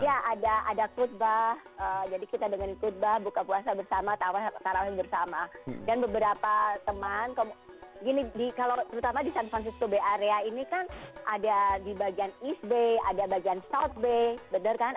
ya ada ada khutbah jadi kita dengan khutbah buka puasa bersama taraweh bersama dan beberapa teman gini di kalau terutama di san francis to bay area ini kan ada di bagian east bay ada bagian south bay bener kan